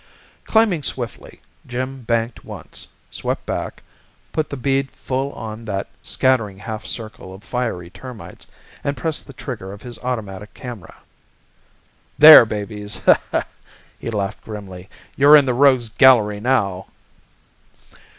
Climbing swiftly, Jim banked once, swept back, put the bead full on that scattering half circle of fiery termites, and pressed the trigger of his automatic camera. "There, babies!" he laughed grimly. "You're in the Rogues' Gallery now!"